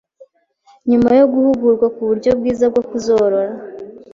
nyuma yo guhugurwa ku buryo bwiza bwo kuzorora.